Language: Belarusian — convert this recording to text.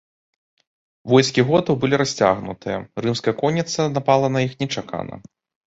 Войскі готаў былі расцягнутыя, рымская конніца напала на іх нечакана.